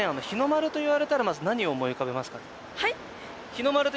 日の丸と言われたらまず何を思い浮かべますか？